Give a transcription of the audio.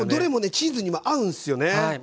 チーズにも合うんすよね。